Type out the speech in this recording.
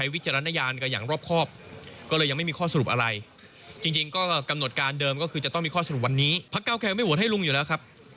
พรรคเก้าไกรไม่โหวตให้ลุงอยู่แล้วครับ